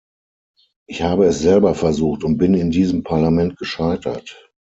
Ich habe es selber versucht und bin in diesem Parlament gescheitert.